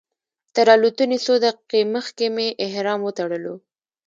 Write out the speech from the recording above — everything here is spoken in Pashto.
تر الوتنې څو دقیقې مخکې مې احرام وتړلو.